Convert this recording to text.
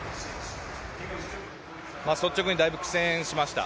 率直にだいぶ苦戦しました。